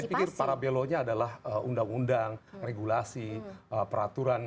saya pikir parabelonya adalah undang undang regulasi peraturan